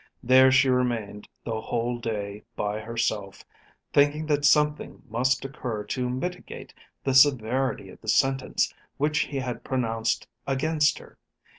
There she remained the whole day by herself, thinking that something must occur to mitigate the severity of the sentence which he had pronounced against her.